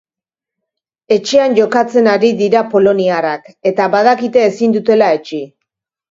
Etxean jokatzen ari dira poloniarrak eta badakite ezin dutela etsi.